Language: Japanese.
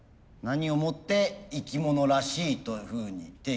何をもって生き物らしいというふうに定義するのか。